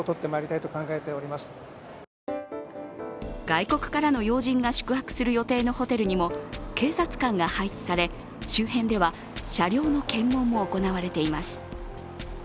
外国からの要人が宿泊する予定のホテルにも警察官が配置され周辺では車両の検問も行われています。